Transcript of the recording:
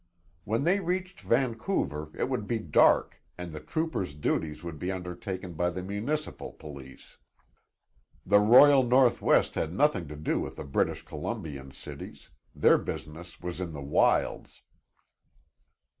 When they reached Vancouver it would be dark and the trooper's duties would be undertaken by the municipal police. The Royal North West had nothing to do with the British Columbian cities; their business was in the wilds.